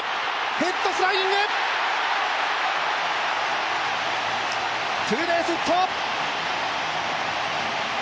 ヘッドスライディング、ツーベースヒット。